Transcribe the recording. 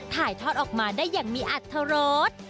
ถ่ายทอดออกมาได้อย่างมีอัตรรส